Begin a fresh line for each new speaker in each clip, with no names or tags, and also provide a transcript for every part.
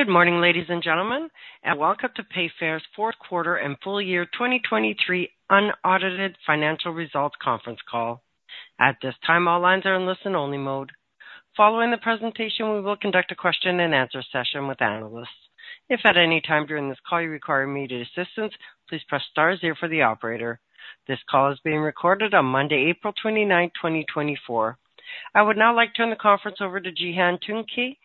Good morning, ladies and gentlemen, and welcome to Payfare's 4Q and full year 2023 unaudited financial results conference call. At this time, all lines are in listen-only mode. Following the presentation, we will conduct a question and answer session with analysts. If at any time during this call you require immediate assistance, please press star zero for the operator. This call is being recorded on Monday, April 29, 2024. I would now like to turn the conference over to Cihan Tuncay,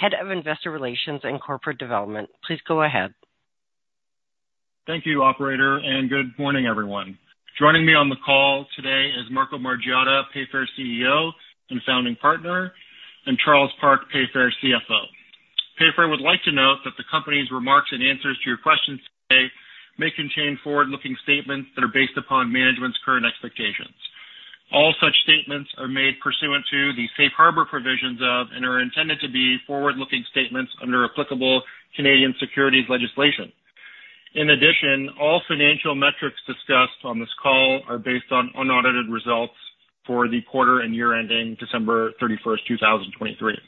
Head of Investor Relations and Corporate Development. Please go ahead.
Thank you, operator, and good morning, everyone. Joining me on the call today is Marco Margiotta, Payfare's CEO and founding partner, and Charles Park, Payfare's CFO. Payfare would like to note that the company's remarks and answers to your questions today may contain forward-looking statements that are based upon management's current expectations. All such statements are made pursuant to the safe harbor provisions of, and are intended to be forward-looking statements under applicable Canadian securities legislation. In addition, all financial metrics discussed on this call are based on unaudited results for the quarter and year ending December 31, 2023.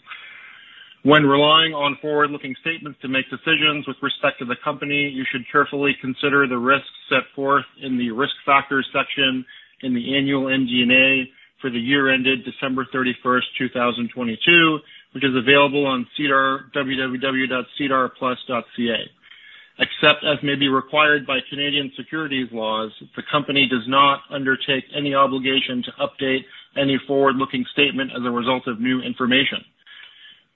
When relying on forward-looking statements to make decisions with respect to the company, you should carefully consider the risks set forth in the Risk Factors section in the annual MD&A for the year ended December 31, 2022, which is available on SEDAR+ www.sedarplus.ca. Except as may be required by Canadian securities laws, the company does not undertake any obligation to update any forward-looking statement as a result of new information.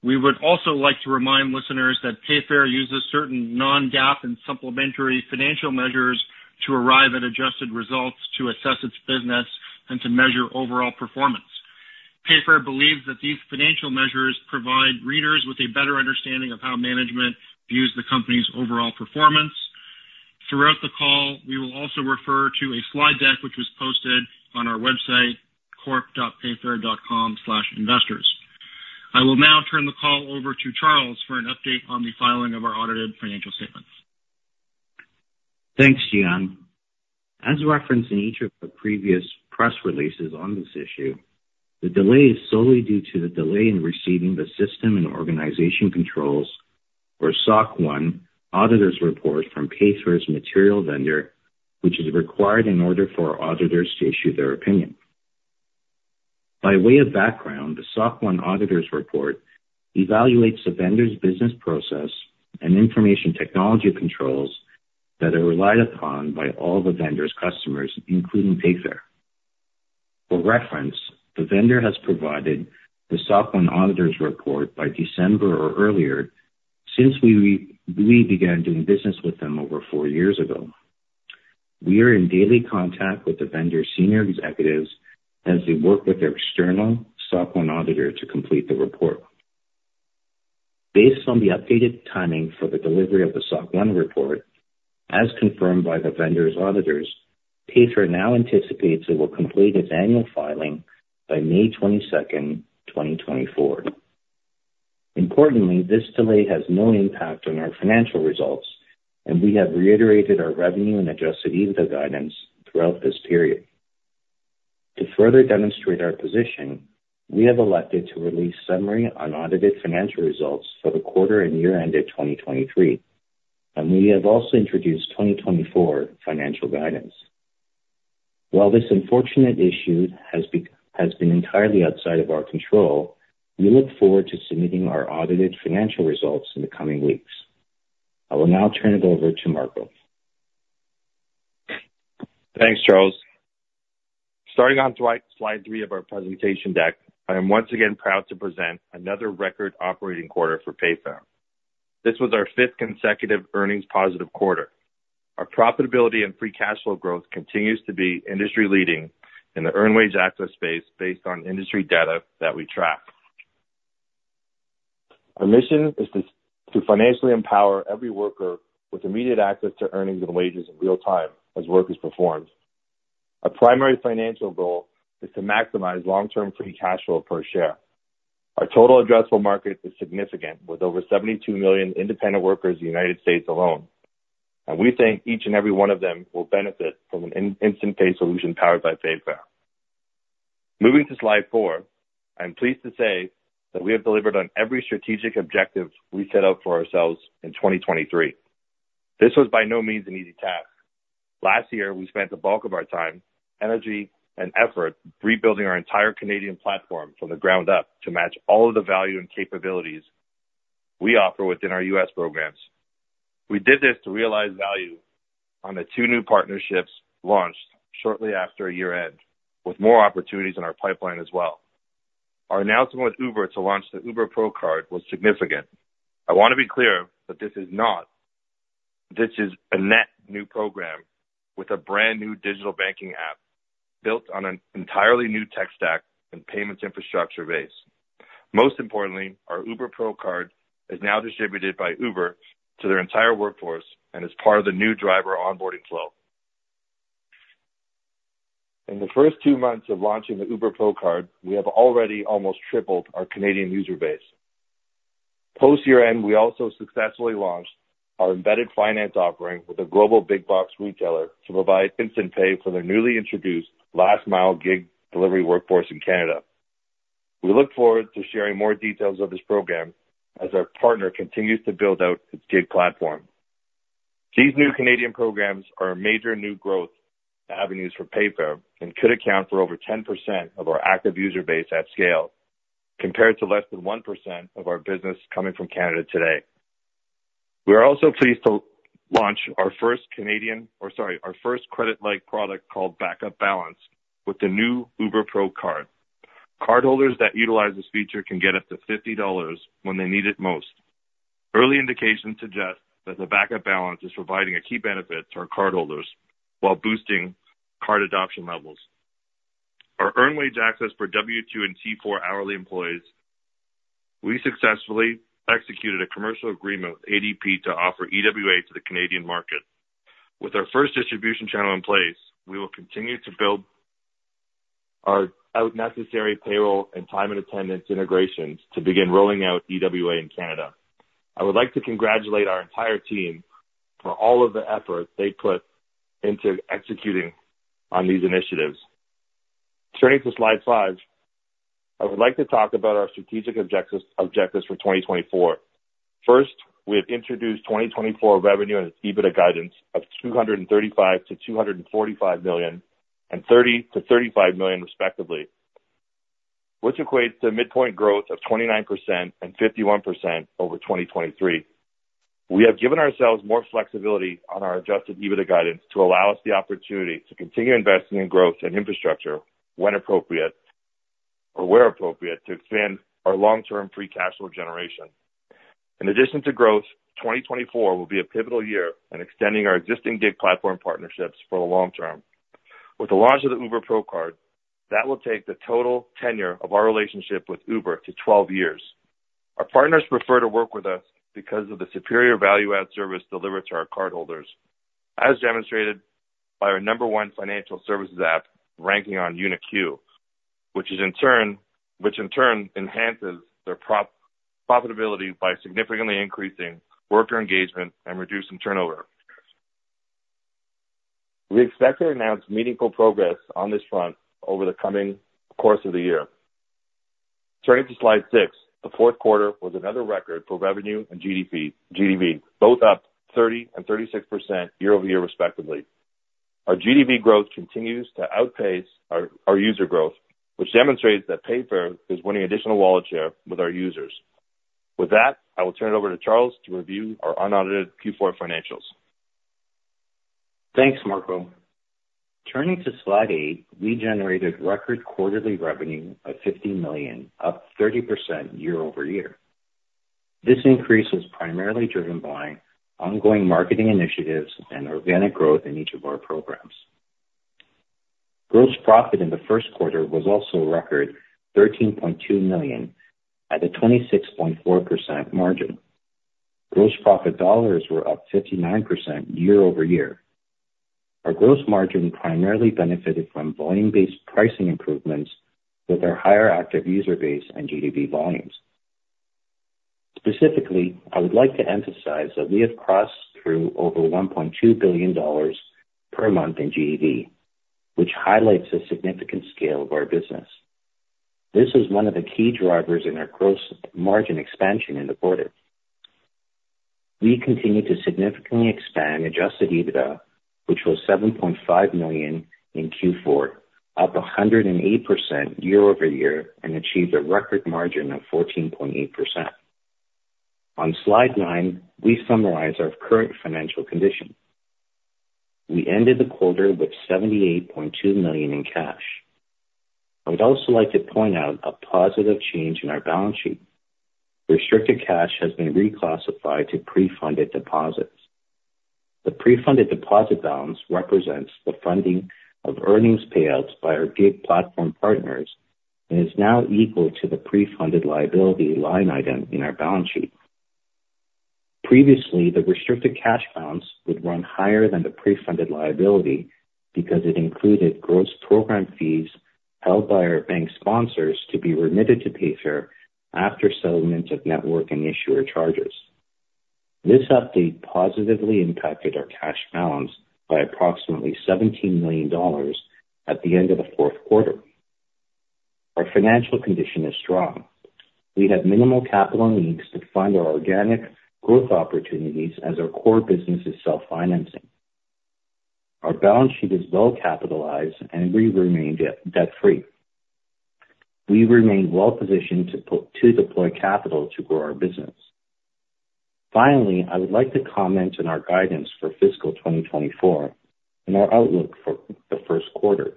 We would also like to remind listeners that Payfare uses certain non-GAAP and supplementary financial measures to arrive at adjusted results to assess its business and to measure overall performance. Payfare believes that these financial measures provide readers with a better understanding of how management views the company's overall performance. Throughout the call, we will also refer to a slide deck, which was posted on our website, corp.payfare.com/investors. I will now turn the call over to Charles for an update on the filing of our audited financial statements.
Thanks, Cihan. As referenced in each of the previous press releases on this issue, the delay is solely due to the delay in receiving the system and organization controls, or SOC 1, auditors' report from Payfare's material vendor, which is required in order for our auditors to issue their opinion. By way of background, the SOC 1 auditors' report evaluates the vendor's business process and information technology controls that are relied upon by all the vendor's customers, including Payfare. For reference, the vendor has provided the SOC 1 auditors' report by December or earlier since we began doing business with them over four years ago. We are in daily contact with the vendor's senior executives as they work with their external SOC 1 auditor to complete the report. Based on the updated timing for the delivery of the SOC 1 report, as confirmed by the vendor's auditors, Payfare now anticipates it will complete its annual filing by May 22, 2024. Importantly, this delay has no impact on our financial results, and we have reiterated our revenue and Adjusted EBITDA guidance throughout this period. To further demonstrate our position, we have elected to release summary unaudited financial results for the quarter and year ended 2023, and we have also introduced 2024 financial guidance. While this unfortunate issue has been entirely outside of our control, we look forward to submitting our audited financial results in the coming weeks. I will now turn it over to Marco.
Thanks, Charles. Starting on slide 3 of our presentation deck, I am once again proud to present another record operating quarter for Payfare. This was our fifth consecutive earnings positive quarter. Our profitability and free cash flow growth continues to be industry-leading in the earned wage access space based on industry data that we track. Our mission is to financially empower every worker with immediate access to earnings and wages in real time as work is performed. Our primary financial goal is to maximize long-term free cash flow per share. Our total addressable market is significant, with over 72 million independent workers in the United States alone, and we think each and every one of them will benefit from an instant pay solution powered by Payfare. Moving to slide 4, I'm pleased to say that we have delivered on every strategic objective we set out for ourselves in 2023. This was by no means an easy task. Last year, we spent the bulk of our time, energy, and effort rebuilding our entire Canadian platform from the ground up to match all of the value and capabilities we offer within our U.S. programs. We did this to realize value on the 2 new partnerships launched shortly after year-end, with more opportunities in our pipeline as well. Our announcement with Uber to launch the Uber Pro Card was significant. I want to be clear that this is not... This is a net new program with a brand-new digital banking app built on an entirely new tech stack and payments infrastructure base. Most importantly, our Uber Pro Card is now distributed by Uber to their entire workforce and is part of the new driver onboarding flow. In the first two months of launching the Uber Pro Card, we have already almost tripled our Canadian user base. Post year-end, we also successfully launched our embedded finance offering with a global big box retailer to provide instant pay for their newly introduced last mile gig delivery workforce in Canada. We look forward to sharing more details of this program as our partner continues to build out its gig platform. These new Canadian programs are a major new growth avenues for Payfare and could account for over 10% of our active user base at scale, compared to less than 1% of our business coming from Canada today. We are also pleased to launch our first Canadian, or sorry, our first credit-like product called Backup Balance with the new Uber Pro Card. Cardholders that utilize this feature can get up to 50 dollars when they need it most. Early indications suggest that the backup balance is providing a key benefit to our cardholders while boosting card adoption levels. Our Earned Wage Access for W-2 and T4 hourly employees, we successfully executed a commercial agreement with ADP to offer EWA to the Canadian market. With our first distribution channel in place, we will continue to build our out necessary payroll and time and attendance integrations to begin rolling out EWA in Canada. I would like to congratulate our entire team for all of the effort they put into executing on these initiatives. Turning to slide 5, I would like to talk about our strategic objectives for 2024. First, we have introduced 2024 revenue and EBITDA guidance of $235 million-$245 million and $30 million-$35 million, respectively, which equates to midpoint growth of 29% and 51% over 2023. We have given ourselves more flexibility on our Adjusted EBITDA guidance to allow us the opportunity to continue investing in growth and infrastructure when appropriate or where appropriate, to expand our long-term free cash flow generation. In addition to growth, 2024 will be a pivotal year in extending our existing gig platform partnerships for the long term. With the launch of the Uber Pro Card, that will take the total tenure of our relationship with Uber to 12 years. Our partners prefer to work with us because of the superior value add service delivered to our cardholders, as demonstrated by our number one financial services app ranking on UnitQ, which in turn enhances their profitability by significantly increasing worker engagement and reducing turnover. We expect to announce meaningful progress on this front over the coming course of the year. Turning to slide 6. The 4Q was another record for revenue and GDV, both up 30% and 36% year-over-year, respectively. Our GDV growth continues to outpace our user growth, which demonstrates that Payfare is winning additional wallet share with our users. With that, I will turn it over to Charles to review our unaudited 4Q financials.
Thanks, Marco. Turning to slide 8, we generated record quarterly revenue of $50 million, up 30% year over year. This increase was primarily driven by ongoing marketing initiatives and organic growth in each of our programs. Gross profit in the 1Q was also a record $13.2 million at a 26.4% margin. Gross profit dollars were up 59% year over year. Our gross margin primarily benefited from volume-based pricing improvements with our higher active user base and GDV volumes. Specifically, I would like to emphasize that we have crossed through over $1.2 billion per month in GDV, which highlights the significant scale of our business. This is one of the key drivers in our gross margin expansion in the quarter. We continue to significantly expand Adjusted EBITDA, which was $7.5 million in 4Q, up 108% year-over-year, and achieved a record margin of 14.8%. On Slide 9, we summarize our current financial condition. We ended the quarter with $78.2 million in cash. I would also like to point out a positive change in our balance sheet. Restricted cash has been reclassified to pre-funded deposits. The pre-funded deposit balance represents the funding of earnings payouts by our gig platform partners and is now equal to the pre-funded liability line item in our balance sheet. Previously, the restricted cash balance would run higher than the pre-funded liability because it included gross program fees held by our bank sponsors to be remitted to Payfare after settlement of network and issuer charges. This update positively impacted our cash balance by approximately $17 million at the end of the 4Q. Our financial condition is strong. We have minimal capital needs to fund our organic growth opportunities as our core business is self-financing. Our balance sheet is well capitalized and we remained debt free. We remain well positioned to deploy capital to grow our business. Finally, I would like to comment on our guidance for fiscal 2024 and our outlook for the 1Q.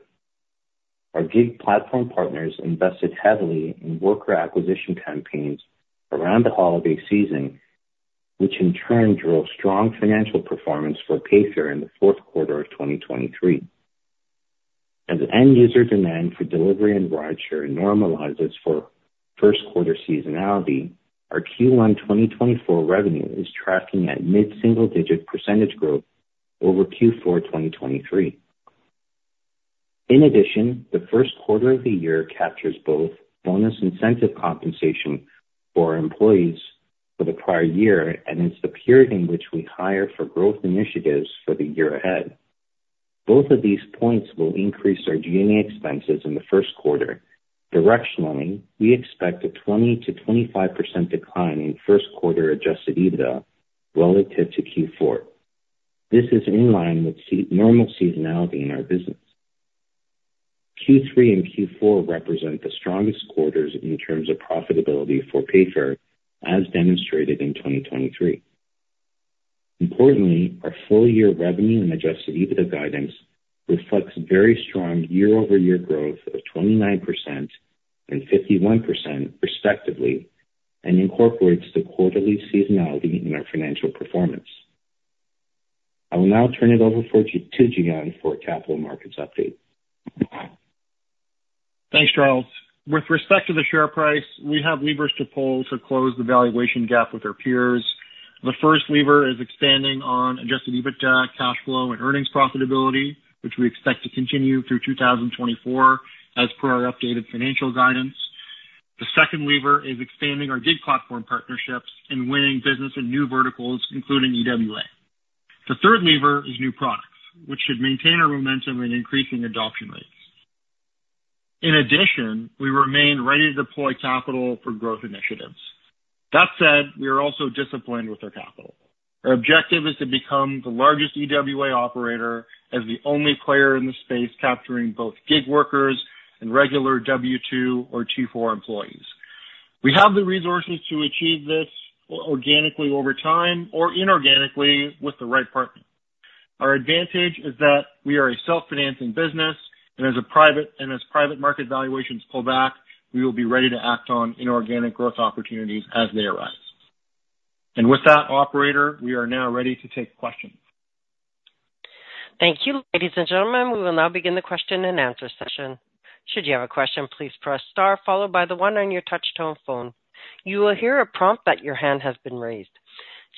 Our gig platform partners invested heavily in worker acquisition campaigns around the holiday season, which in turn drove strong financial performance for Payfare in the4Q of 2023. As end user demand for delivery and rideshare normalizes for 1Q seasonality, our Q1 2024 revenue is tracking at mid-single digit % growth over 4Q 2023. In addition, the 1Q of the year captures both bonus incentive compensation for our employees for the prior year, and it's the period in which we hire for growth initiatives for the year ahead. Both of these points will increase our GA expenses in the 1Q. Directionally, we expect a 20%-25% decline in 1Q adjusted EBITDA relative to Q4. This is in line with normal seasonality in our business. Q3 and Q4 represent the strongest quarters in terms of profitability for Payfare, as demonstrated in 2023. Importantly, our full year revenue and Adjusted EBITDA guidance reflects very strong year-over-year growth of 29% and 51% respectively, and incorporates the quarterly seasonality in our financial performance. I will now turn it over to Cihan for a capital markets update.
Thanks, Charles. With respect to the share price, we have levers to pull to close the valuation gap with our peers. The first lever is expanding on Adjusted EBITDA cash flow and earnings profitability, which we expect to continue through 2024 as per our updated financial guidance. The second lever is expanding our gig platform partnerships and winning business in new verticals, including EWA. The third lever is new products, which should maintain our momentum in increasing adoption rates. In addition, we remain ready to deploy capital for growth initiatives. That said, we are also disciplined with our capital. Our objective is to become the largest EWA operator as the only player in the space, capturing both gig workers and regular W-2 or T4 employees. We have the resources to achieve this organically over time or inorganically with the right partner. Our advantage is that we are a self-financing business, and as private market valuations pull back, we will be ready to act on inorganic growth opportunities as they arise. With that, operator, we are now ready to take questions.
Thank you, ladies and gentlemen. We will now begin the question and answer session. Should you have a question, please press star followed by the one on your touch tone phone. You will hear a prompt that your hand has been raised.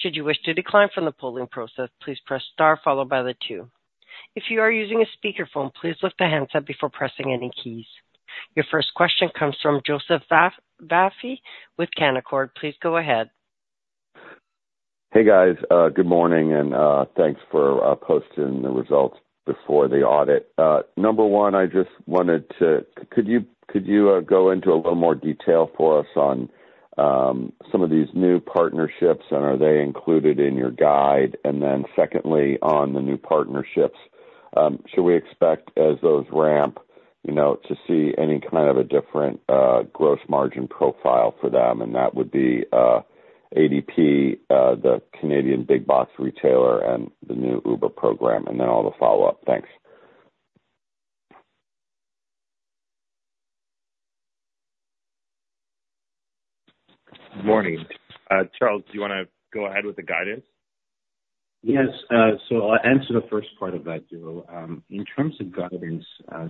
Should you wish to decline from the polling process, please press star followed by the two. If you are using a speakerphone, please lift the handset before pressing any keys. Your first question comes from Joseph Vafi with Canaccord. Please go ahead.
Hey, guys, good morning, and thanks for posting the results before the audit. Number one, could you go into a little more detail for us on some of these new partnerships, and are they included in your guide? And then secondly, on the new partnerships, should we expect as those ramp, you know, to see any kind of a different gross margin profile for them? And that would be ADP, the Canadian big box retailer and the new Uber program, and then I'll have a follow-up. Thanks.
Morning. Charles, do you want to go ahead with the guidance?
Yes, so I'll answer the first part of that, Joe. In terms of guidance,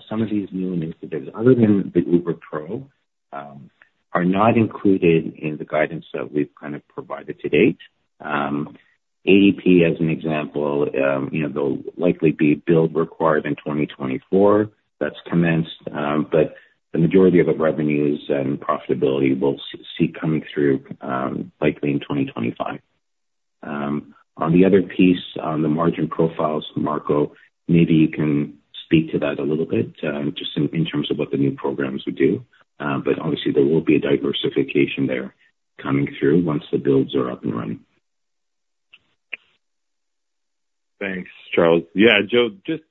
some of these new initiatives, other than the Uber Pro, are not included in the guidance that we've kind of provided to date. ADP, as an example, you know, they'll likely be build required in 2024. That's commenced, but the majority of the revenues and profitability we'll see coming through, likely in 2025. On the other piece, on the margin profiles, Marco, maybe you can speak to that a little bit, just in terms of what the new programs would do. But obviously there will be a diversification there coming through once the builds are up and running.
Thanks, Charles. Yeah, Joe, just,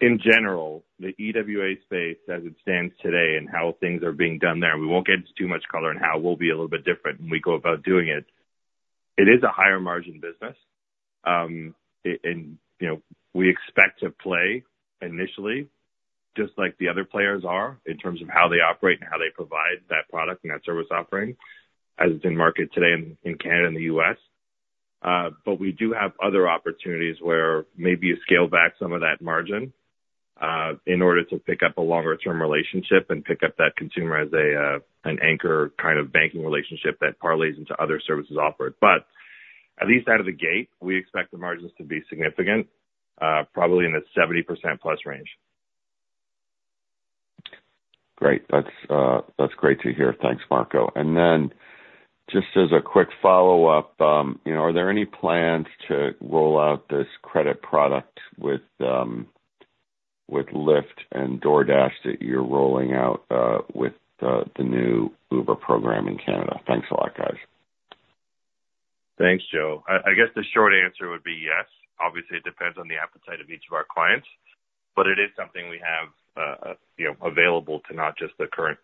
in general, the EWA space as it stands today and how things are being done there, we won't get into too much color on how we'll be a little bit different when we go about doing it. It is a higher margin business. You know, we expect to play initially, just like the other players are, in terms of how they operate and how they provide that product and that service offering, as it's in market today in Canada and the U.S. We do have other opportunities where maybe you scale back some of that margin, in order to pick up a longer term relationship and pick up that consumer as a, an anchor kind of banking relationship that parlays into other services offered. But at least out of the gate, we expect the margins to be significant, probably in the 70%+ range.
Great. That's, that's great to hear. Thanks, Marco. And then just as a quick follow-up, you know, are there any plans to roll out this credit product with, with Lyft and DoorDash that you're rolling out, with the new Uber program in Canada? Thanks a lot, guys.
Thanks, Joe. I guess the short answer would be yes. Obviously, it depends on the appetite of each of our clients, but it is something we have, you know, available to not just the current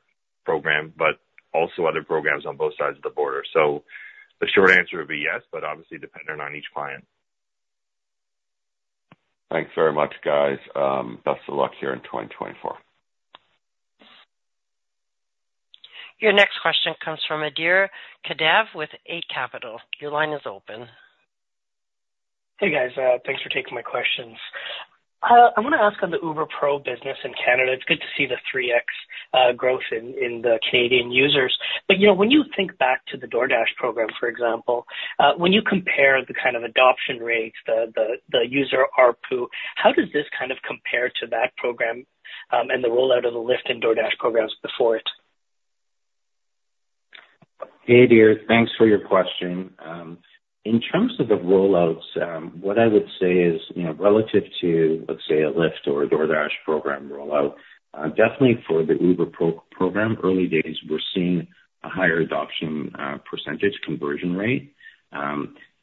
program, but also other programs on both sides of the border. So the short answer would be yes, but obviously dependent on each client.
Thanks very much, guys. Best of luck here in 2024.
Your next question comes from Adhir Kadve with Eight Capital. Your line is open.
Hey, guys, thanks for taking my questions. I want to ask on the Uber Pro business in Canada. It's good to see the 3x growth in the Canadian users. But, you know, when you think back to the DoorDash program, for example, when you compare the kind of adoption rates, the user ARPU, how does this kind of compare to that program, and the rollout of the Lyft and DoorDash programs before it?
Hey, Adir, thanks for your question. In terms of the rollouts, what I would say is, you know, relative to, let's say, a Lyft or a DoorDash program rollout, definitely for the Uber Pro program, early days, we're seeing a higher adoption percentage conversion rate.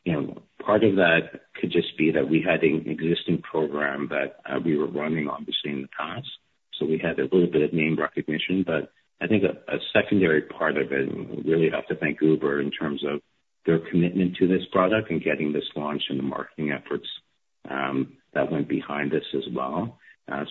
You know, part of that could just be that we had an existing program that we were running obviously in the past, so we had a little bit of name recognition. But I think a secondary part of it, and really have to thank Uber in terms of their commitment to this product and getting this launched, and the marketing efforts that went behind this as well.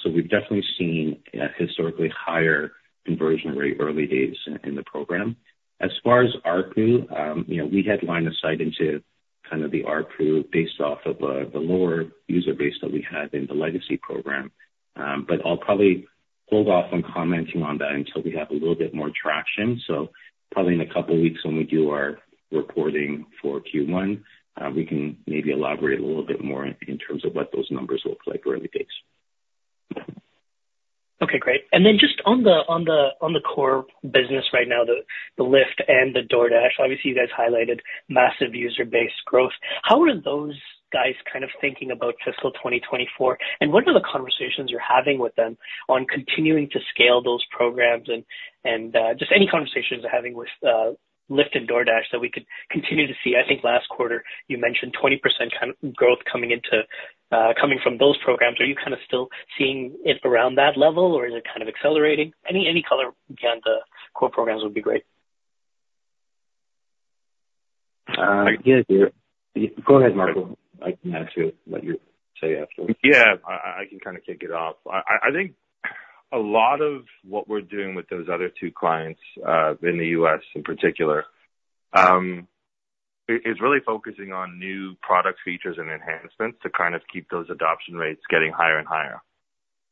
So we've definitely seen a historically higher conversion rate early days in the program. As far as ARPU, you know, we had lined the site into kind of the ARPU based off of the lower user base that we had in the legacy program. But I'll probably hold off on commenting on that until we have a little bit more traction. So probably in a couple weeks when we do our reporting for Q1, we can maybe elaborate a little bit more in terms of what those numbers look like early days.
Okay, great. And then just on the core business right now, the Lyft and the DoorDash, obviously you guys highlighted massive user base growth. How are those guys kind of thinking about fiscal 2024? And what are the conversations you're having with them on continuing to scale those programs? And just any conversations you're having with Lyft and DoorDash that we could continue to see? I think last quarter you mentioned 20% kind of growth coming from those programs. Are you kind of still seeing it around that level, or is it kind of accelerating? Any color on the core programs would be great.
Yeah, Adir. Go ahead, Marco. I can actually let you say afterwards.
Yeah, I can kind of kick it off. I think a lot of what we're doing with those other two clients in the U.S. in particular is really focusing on new product features and enhancements to kind of keep those adoption rates getting higher and higher.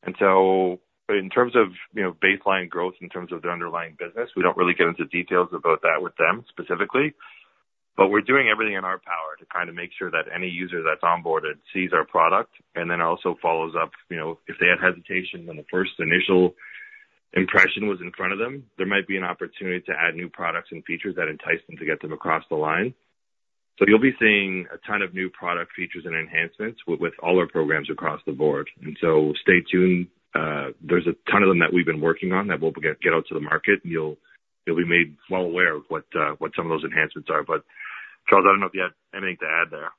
And so in terms of, you know, baseline growth, in terms of the underlying business, we don't really get into details about that with them specifically, but we're doing everything in our power to kind of make sure that any user that's onboarded sees our product and then also follows up, you know, if they had hesitation when the first initial impression was in front of them, there might be an opportunity to add new products and features that entice them to get them across the line. You'll be seeing a ton of new product features and enhancements with all our programs across the board. Stay tuned. There's a ton of them that we've been working on that we'll get out to the market, and you'll be made well aware of what some of those enhancements are. But, Charles, I don't know if you have anything to add there.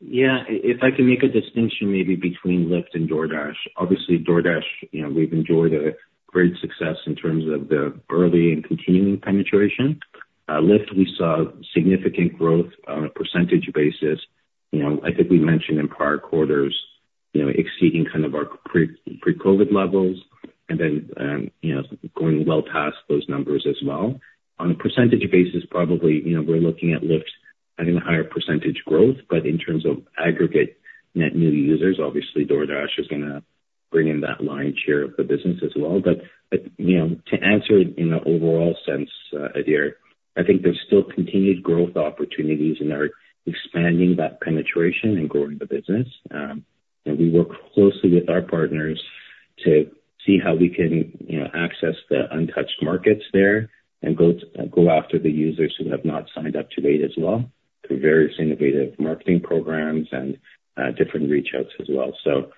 Yeah, if I can make a distinction maybe between Lyft and DoorDash. Obviously, DoorDash, you know, we've enjoyed a great success in terms of the early and continuing penetration. Lyft, we saw significant growth on a percentage basis. You know, I think we mentioned in prior quarters, you know, exceeding kind of our pre-COVID levels and then, you know, going well past those numbers as well. On a percentage basis, probably, you know, we're looking at Lyft having a higher percentage growth, but in terms of aggregate net new users, obviously DoorDash is gonna bring in that lion's share of the business as well. But, you know, to answer in an overall sense, Adir, I think there's still continued growth opportunities in our expanding that penetration and growing the business. And we work closely with our partners to see how we can, you know, access the untouched markets there and go after the users who have not signed up to date as well, through various innovative marketing programs and different reach outs as well. So,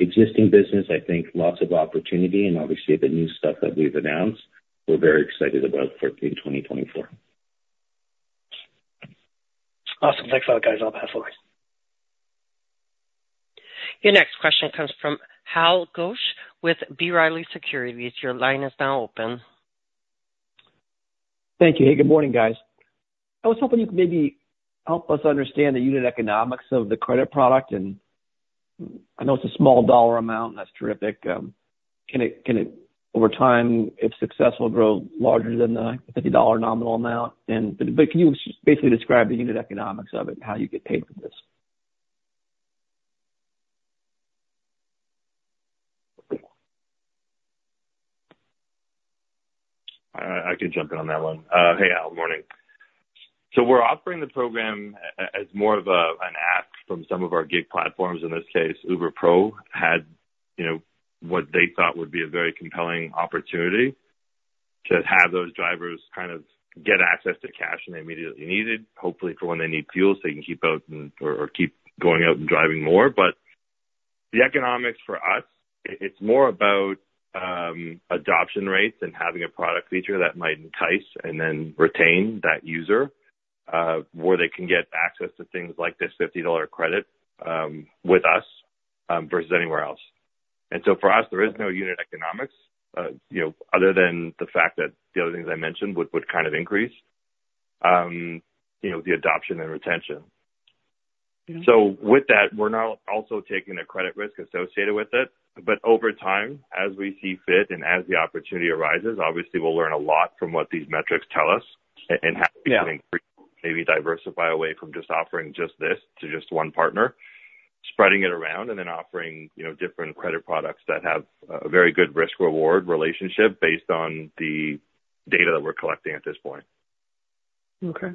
existing business, I think lots of opportunity, and obviously the new stuff that we've announced, we're very excited about for in 2024.
Awesome. Thanks a lot, guys. I'll pass forward.
Your next question comes from Hal Goetsch with B. Riley Securities. Your line is now open.
Thank you. Hey, good morning, guys. I was hoping you could maybe help us understand the unit economics of the credit product. I know it's a small dollar amount, and that's terrific. Can it, over time, if successful, grow larger than the $50 nominal amount? But can you just basically describe the unit economics of it, how you get paid for this?
I can jump in on that one. Hey, Hal, morning. So we're offering the program as more of an app from some of our gig platforms. In this case, Uber Pro had, you know, what they thought would be a very compelling opportunity to have those drivers kind of get access to cash when they immediately need it, hopefully for when they need fuel, so they can keep going out and driving more. But the economics for us, it's more about adoption rates and having a product feature that might entice and then retain that user, where they can get access to things like this $50 credit with us versus anywhere else. And so for us, there is no unit economics, you know, other than the fact that the other things I mentioned would kind of increase, you know, the adoption and retention. So with that, we're now also taking a credit risk associated with it, but over time, as we see fit and as the opportunity arises, obviously we'll learn a lot from what these metrics tell us-
Yeah.
and how we can maybe diversify away from just offering just this to just one partner... spreading it around and then offering, you know, different credit products that have a very good risk-reward relationship based on the data that we're collecting at this point.
Okay.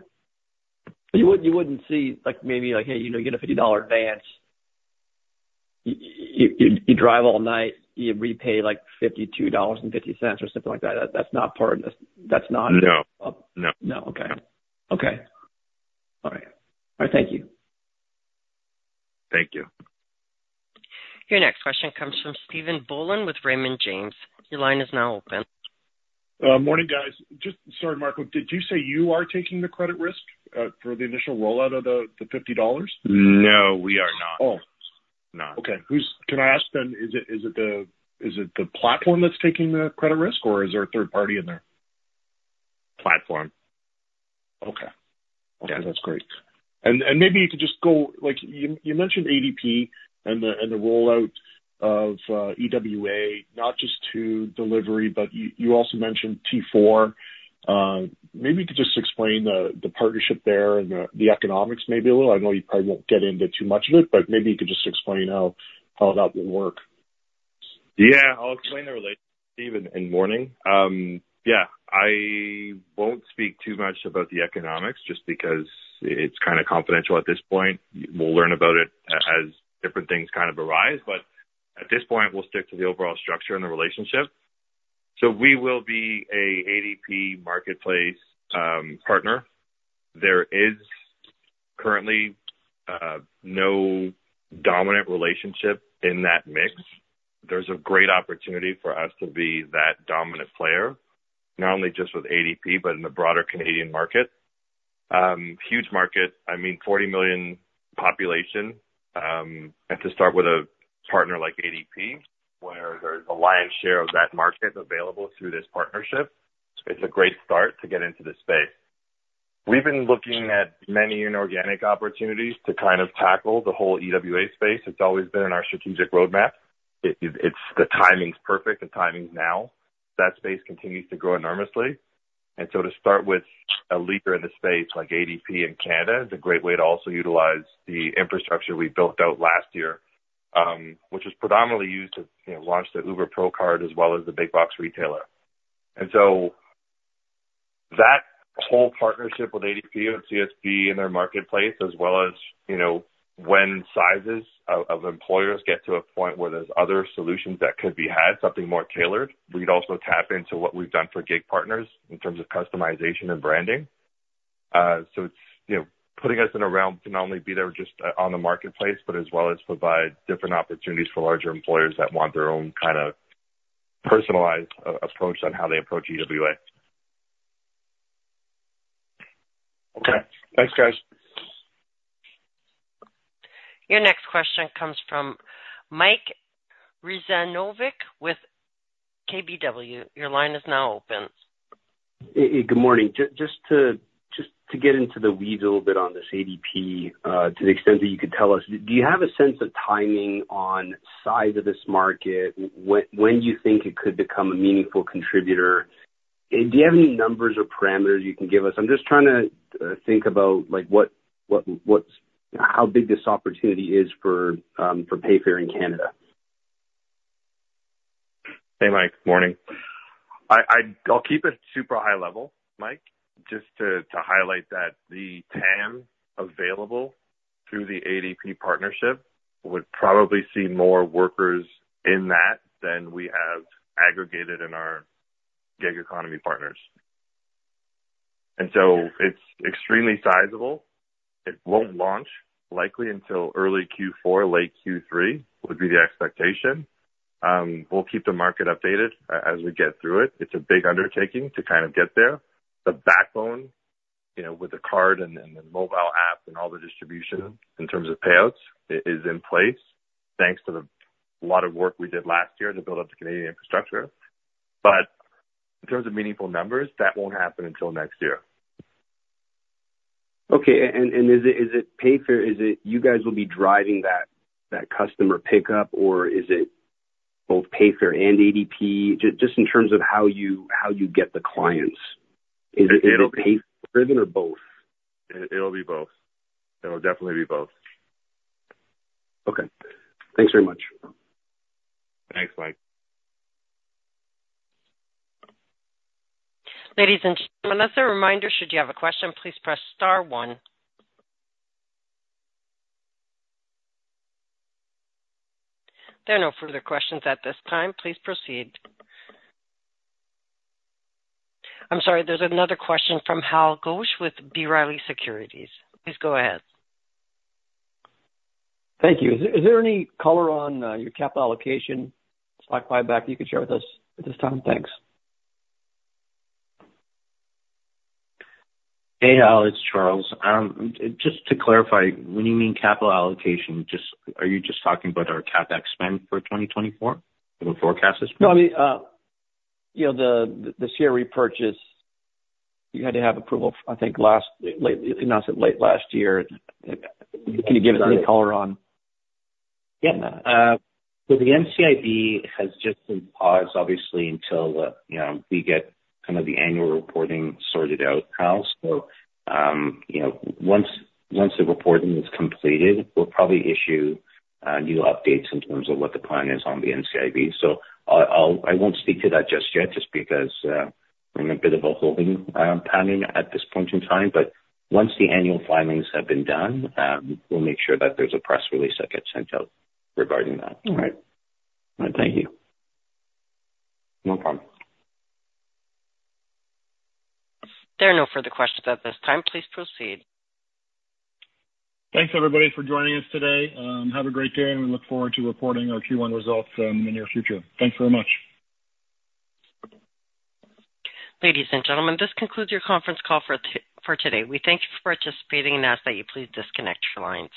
You would, you wouldn't see, like, maybe like, hey, you know, you get a $50 advance, you, you drive all night, you repay, like, $52.50 or something like that. That's not part of this, that's not-
No. No.
No. Okay. Okay. All right. All right, thank you.
Thank you.
Your next question comes from Stephen Boland with Raymond James. Your line is now open.
Morning, guys. Just sorry, Marco, did you say you are taking the credit risk for the initial rollout of the $50?
No, we are not.
Oh.
No.
Okay. Can I ask then, is it the platform that's taking the credit risk, or is there a third party in there?
Platform.
Okay.
Yeah.
That's great. And maybe you could just go, like, you mentioned ADP and the rollout of EWA, not just to delivery, but you also mentioned T4. Maybe you could just explain the partnership there and the economics maybe a little. I know you probably won't get into too much of it, but maybe you could just explain how that would work.
Yeah, I'll explain the relationship, Steven. Good morning. Yeah, I won't speak too much about the economics just because it's kind of confidential at this point. We'll learn about it as different things kind of arise, but at this point, we'll stick to the overall structure and the relationship. So we will be an ADP marketplace partner. There is currently no dominant relationship in that mix. There's a great opportunity for us to be that dominant player, not only just with ADP, but in the broader Canadian market. Huge market, I mean, 40 million population, and to start with a partner like ADP, where there's a lion's share of that market available through this partnership, it's a great start to get into this space. We've been looking at many inorganic opportunities to kind of tackle the whole EWA space. It's always been in our strategic roadmap. It's the timing's perfect. The timing's now. That space continues to grow enormously. And so to start with a leader in the space like ADP in Canada is a great way to also utilize the infrastructure we built out last year, which is predominantly used to, you know, launch the Uber Pro Card as well as the big box retailer. And so that whole partnership with ADP and CSP in their marketplace, as well as, you know, when sizes of employers get to a point where there's other solutions that could be had, something more tailored, we'd also tap into what we've done for gig partners in terms of customization and branding. So it's, you know, putting us in a realm to not only be there just on the marketplace, but as well as provide different opportunities for larger employers that want their own kind of personalized approach on how they approach EWA.
Okay. Thanks, guys.
Your next question comes from Mike Rizvanovic with KBW. Your line is now open.
Hey, good morning. Just to get into the weeds a little bit on this ADP, to the extent that you could tell us, do you have a sense of timing on size of this market? When do you think it could become a meaningful contributor? Do you have any numbers or parameters you can give us? I'm just trying to think about like, what, what's -- how big this opportunity is for Payfare in Canada.
Hey, Mike, morning. I'll keep it super high level, Mike, just to highlight that the TAM available through the ADP partnership would probably see more workers in that than we have aggregated in our gig economy partners. And so it's extremely sizable. It won't launch likely until early Q4, late Q3 would be the expectation. We'll keep the market updated as we get through it. It's a big undertaking to kind of get there. The backbone, you know, with the card and the mobile app and all the distribution in terms of payouts, is in place, thanks to the lot of work we did last year to build up the Canadian infrastructure. But in terms of meaningful numbers, that won't happen until next year.
Okay, and is it Payfare, is it you guys will be driving that customer pickup, or is it both Payfare and ADP? Just in terms of how you get the clients, is it Payfare or both?
It'll be both. It'll definitely be both.
Okay. Thanks very much.
Thanks, Mike.
Ladies and gentlemen, as a reminder, should you have a question, please press star one. There are no further questions at this time. Please proceed. I'm sorry, there's another question from Hal Goetsch with B. Riley Securities. Please go ahead.
Thank you. Is there, is there any color on your capital allocation, stock buyback, you could share with us at this time? Thanks.
Hey, Hal, it's Charles. Just to clarify, when you mean capital allocation, just, are you just talking about our CapEx spend for 2024, and the forecast is?
No, I mean, you know, the NCIB repurchase, you had to have approval, I think, late last year. Can you give any color on?
Yeah. So the NCIB has just been paused, obviously, until, you know, we get kind of the annual reporting sorted out, Hal. So, you know, once the reporting is completed, we'll probably issue new updates in terms of what the plan is on the NCIB. So, I'll, I won't speak to that just yet, just because, I'm in a bit of a holding pattern at this point in time, but once the annual filings have been done, we'll make sure that there's a press release that gets sent out regarding that.
All right. Thank you.
No problem.
There are no further questions at this time. Please proceed.
Thanks, everybody, for joining us today. Have a great day, and we look forward to reporting our Q1 results in the near future. Thanks very much.
Ladies and gentlemen, this concludes your conference call for today. We thank you for participating and ask that you please disconnect your lines.